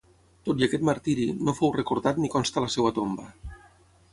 Tot i aquest martiri, no fou recordat ni consta la seva tomba.